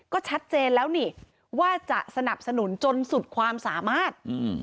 ก็ชัดเจนแล้วนี่ว่าจะสนับสนุนจนสุดความสามารถ